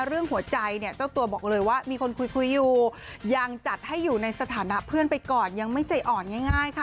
เรื่องหัวใจเนี่ยเจ้าตัวบอกเลยว่ามีคนคุยอยู่ยังจัดให้อยู่ในสถานะเพื่อนไปก่อนยังไม่ใจอ่อนง่ายค่ะ